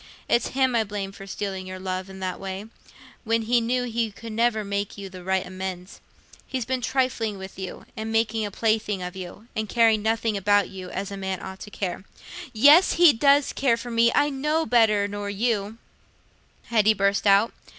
It's him I blame for stealing your love i' that way, when he knew he could never make you the right amends. He's been trifling with you, and making a plaything of you, and caring nothing about you as a man ought to care." "Yes, he does care for me; I know better nor you," Hetty burst out.